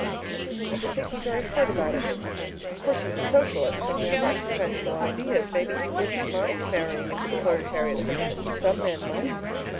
I've been thinking very hard about it. Of course he is a Socialist, and he has unconventional ideas; maybe he wouldn't mind marrying into the proletariat so much as some men might.